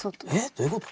どういうこと？